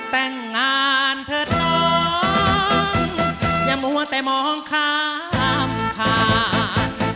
แต่งงานเถิดน้องอย่ามัวแต่มองข้ามผ่าน